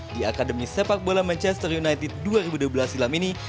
di akademi sepak bola manchester united dua ribu dua belas silam ini